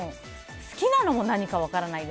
好きなのも何か分からないし。